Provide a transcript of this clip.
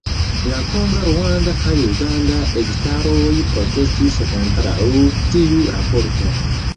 La konga, ruanda kaj uganda registaroj protestis kontraŭ tiu raporto.